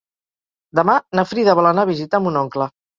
Demà na Frida vol anar a visitar mon oncle.